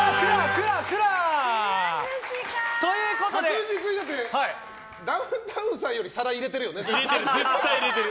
確実にダウンタウンさんより皿入れてるよね、絶対。